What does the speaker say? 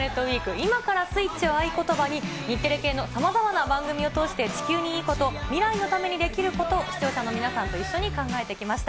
今からスイッチを合言葉に、日テレ系のさまざまな番組を通して、地球にいいこと未来のためにできることを視聴者の皆さんと一緒に考えてきました。